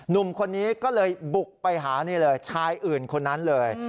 หนุ่มคนนี้ก็เลยบุกไปหานี่เลยชายอื่นคนนั้นเลย